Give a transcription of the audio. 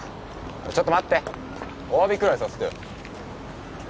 ちょっと待ってお詫びくらいさせてよ